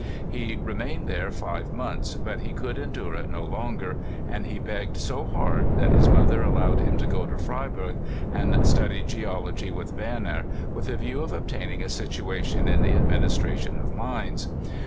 He remained there five months, but he could endure it no longer, and he begged so hard that his mother allowed him to go to Freyberg andstudy Geology with Werner, with a view of obtaining a situation in the Administration of Mines.